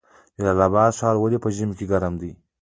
جلال اباد ښار ولې په ژمي کې ګرم وي؟